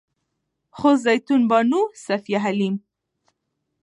خو زيتون بانو، صفيه حليم